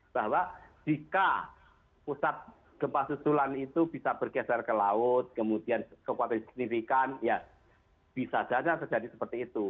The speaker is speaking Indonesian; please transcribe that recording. bahwa jika pusat gempa susulan itu bisa bergeser ke laut kemudian kekuatan signifikan ya bisa saja terjadi seperti itu